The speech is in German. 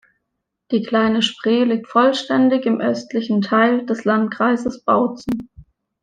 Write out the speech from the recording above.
Die Kleine Spree liegt vollständig im östlichen Teil des Landkreises Bautzen.